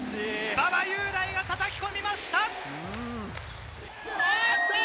馬場雄大がたたき込みました！